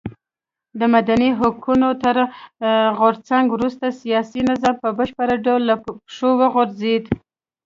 د مدني حقونو تر غورځنګ وروسته سیاسي نظام په بشپړ ډول له پښو وغورځېد.